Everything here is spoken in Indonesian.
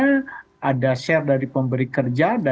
lalu yang tadi punya penghasilan dipotong dari penghasilannya